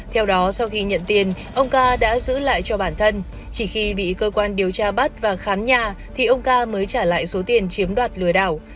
theo đó sau khi nhận tiền ông ca đã giữ lại cho bản thân chỉ khi bị cơ quan điều tra bắt và khám nhà thì ông ca mới trả lại số tiền chiếm đoạt lừa đảo